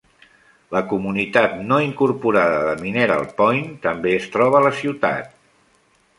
La comunitat no incorporada de Mineral Point també es troba a la ciutat.